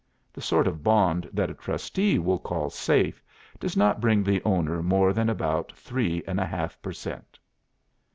The sort of bond that a trustee will call safe does not bring the owner more than about three and one half per cent.